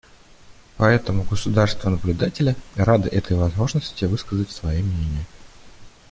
Поэтому государства-наблюдатели рады этой возможности высказать свои мнения.